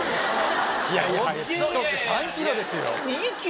時速３キロですよ！